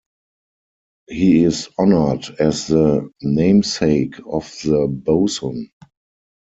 He is honoured as the namesake of the boson.